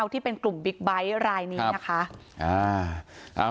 ที่เป็นกลุ่มบิ๊กไบท์รายนี้นะคะ